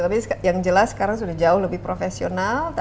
tapi yang jelas sekarang sudah jauh lebih profesional